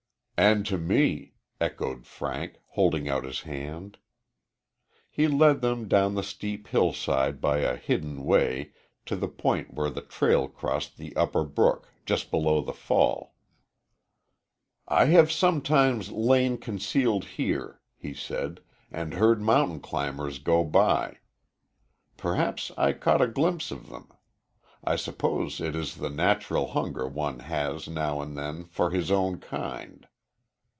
"And to me," echoed Frank, holding out his hand. He led them down the steep hillside by a hidden way to the point where the trail crossed the upper brook, just below the fall. "I have sometimes lain concealed here," he said, "and heard mountain climbers go by. Perhaps I caught a glimpse of them. I suppose it is the natural hunger one has now and then for his own kind."